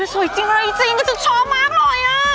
สวยจริงจริงกันจุดชอบมากเลยอะ